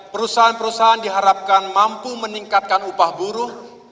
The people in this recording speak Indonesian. perusahaan perusahaan diharapkan mampu meningkatkan upah buruh